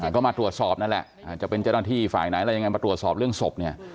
ก็มาตรวจสอบนั่นแหละอาจจะเป็นเจ้าหน้าที่ฝ่ายไหนอะไรยังไงมาตรวจสอบเรื่องศพเนี่ย